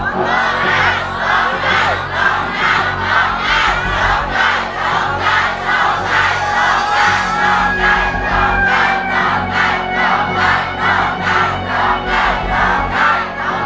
ร้องได้ร้องได้ร้องได้ร้องได้